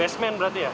basemen berarti ya